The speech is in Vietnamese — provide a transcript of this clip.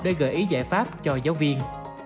để gợi ý giải pháp cho giáo viên